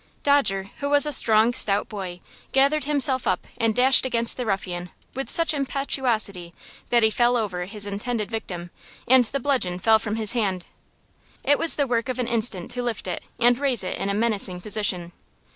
Dodger, who was a strong, stout boy, gathered himself up and dashed against the ruffian with such impetuosity that he fell over his intended victim, and his bludgeon fell from his hand. It was the work of an instant to lift it, and raise it in a menacing position.